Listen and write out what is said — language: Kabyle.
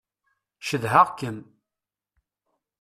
Cedhaɣ-kem.